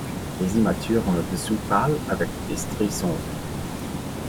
Les immatures ont le dessous pâle avec des stries sombres.